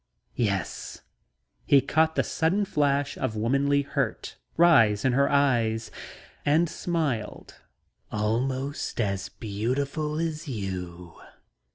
"Yes." He caught the sudden flash of womanly hurt rise in her eyes and smiled. "Almost as beautiful as you."